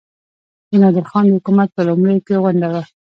د نادرخان د حکومت په لومړیو کې غونډه وه.